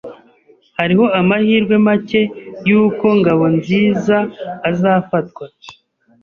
Hariho amahirwe make yuko Ngabonzizaazafatwa.